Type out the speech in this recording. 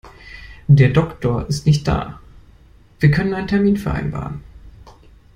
Der Doktor ist nicht da, wir können einen Termin vereinbaren.